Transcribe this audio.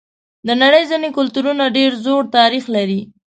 د نړۍ ځینې کلتورونه ډېر زوړ تاریخ لري.